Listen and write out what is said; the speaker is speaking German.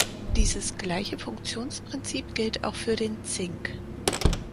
Dieses gleiche Funktionsprinzip gilt auch für den Zink.